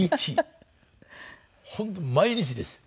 本当毎日です。